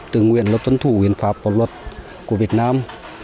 tự nguyện là tuân thủ hiến pháp và luật của việt nam